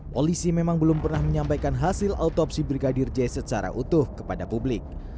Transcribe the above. polisi memang belum pernah menyampaikan hasil autopsi brigadir j secara utuh kepada publik